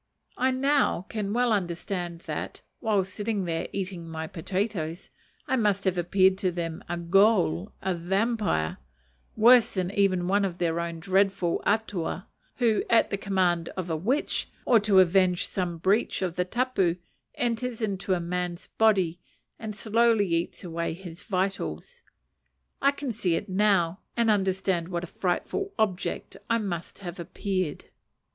I now can well understand that, while sitting there eating my potatoes, I must have appeared to them a ghoul, a vampire; worse than even one of their own dreadful atua, who, at the command of a witch, or to avenge some breach of the tapu, enters into a man's body and slowly eats away his vitals. I can see it now, and understand what a frightful object I must have appeared.